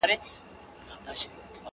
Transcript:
• شاهینان وه چي کوترې یې خوړلې,